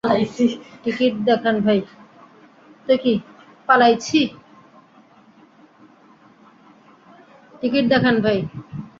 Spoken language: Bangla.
টিকিট দেখান ভাই?